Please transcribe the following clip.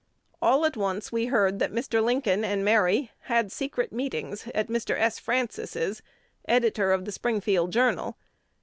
All at once we heard that Mr. Lincoln and Mary had secret meetings at Mr. S. Francis's, editor of 'The Springfield Journal.'